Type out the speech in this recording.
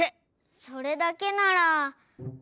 それだけなら。